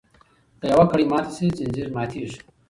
که یوه کړۍ ماته شي ځنځیر ماتیږي.